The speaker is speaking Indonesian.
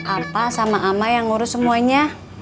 apa sama ama yang ngurus semuanya